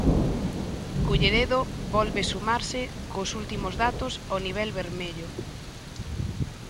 Culleredo volve sumarse, cos últimos datos, ao nivel vermello.